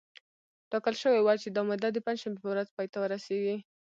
ټاکل شوې وه چې دا موده د پنجشنبې په ورځ پای ته ورسېږي